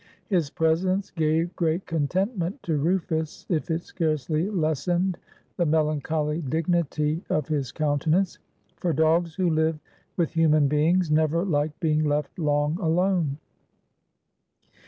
His presence gave great contentment to Rufus, if it scarcely lessened the melancholy dignity of his countenance; for dogs who live with human beings never like being left long alone.